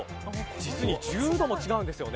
実に１０度も違うんです。